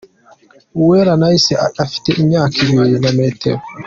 Uwera Nice afite imyaka , ibiro na metero .